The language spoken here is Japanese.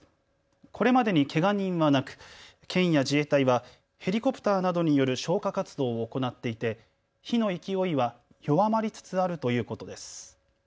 これまでにけが人はなく県や自衛隊はヘリコプターなどによる消火活動を行っていて火の勢いは弱まりつつあるということです。